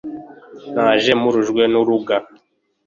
naje mpurujwe n'uruga..